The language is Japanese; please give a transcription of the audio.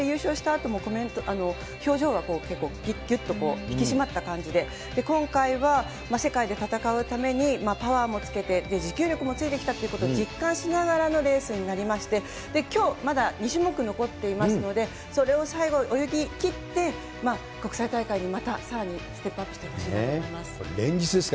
あとも、コメント、表情は結構、ぎゅっと引き締まった感じで、今回は世界で戦うために、パワーもつけて、持久力もついてきたということを実感しながらのレースになりまして、きょう、まだ２種目残っていますので、それを最後、泳ぎきって、国際大会にまたさらにステップアップしてほしいと思います。